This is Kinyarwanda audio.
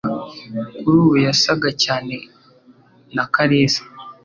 Kuri ubu yasaga cyane na Kalisa.